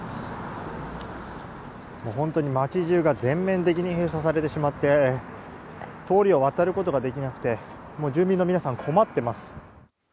本当に街中が全面的に閉鎖されてしまって通りを渡ることができなくて住民の皆さん、困ってます。